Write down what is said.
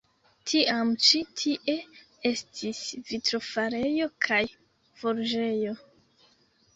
Tiam ĉi tie estis vitrofarejo kaj forĝejo.